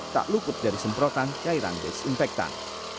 tak luput dari semprotan cairan desinfektan